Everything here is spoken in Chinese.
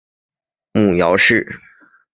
母姚氏。